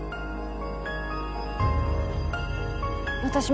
私も。